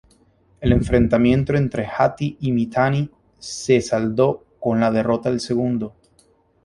El enfrentamiento entre Hatti y Mitanni se saldó con la derrota del segundo.